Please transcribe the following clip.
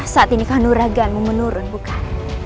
saat ini khanuragaanmu menurun bukan